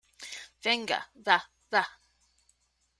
venga, va , va.